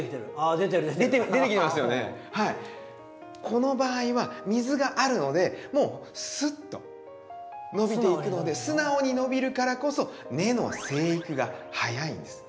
この場合は水があるのでもうスッと伸びていくので素直に伸びるからこそ根の生育が早いんです。